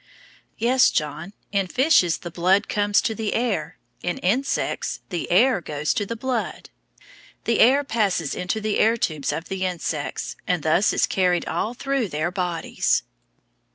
Yes, John, in fishes the blood comes to the air, in insects the air goes to the blood. The air passes into the air tubes of the insects, and thus is carried all through their bodies.